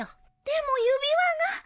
でも指輪が。